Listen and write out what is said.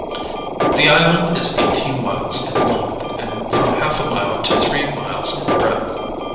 The island is eighteen miles in length and from half a mile to three miles in breadth.